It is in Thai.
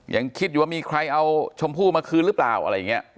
ยังคิดอยู่ว่ามีใครเอาชมพู่มาคืนหรือเปล่าอะไรอย่างนี้